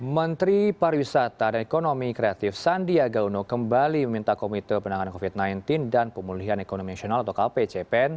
menteri pariwisata dan ekonomi kreatif sandiaga uno kembali meminta komite penanganan covid sembilan belas dan pemulihan ekonomi nasional atau kpcpen